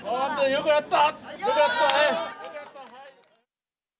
よくやったね！